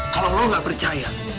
kalau lo gak percaya